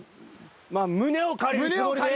まあ胸を借りるつもりで。